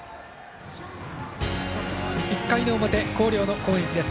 １回の表、広陵の攻撃です。